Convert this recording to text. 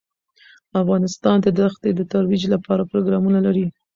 افغانستان د دښتې د ترویج لپاره پروګرامونه لري.